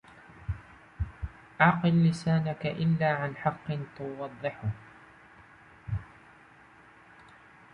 اعْقِلْ لِسَانَك إلَّا عَنْ حَقٍّ تُوَضِّحُهُ